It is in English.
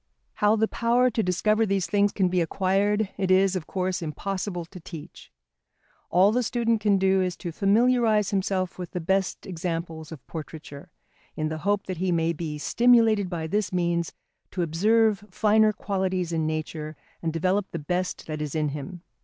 How the power to discover these things can be acquired, it is, of course, impossible to teach. All the student can do is to familiarise himself with the best examples of portraiture, in the hope that he may be stimulated by this means to observe finer qualities in nature and develop the best that is in him.